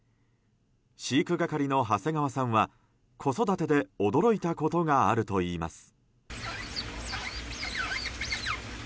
飼育係の長谷川さんは子育てで驚いたことがあるといいます。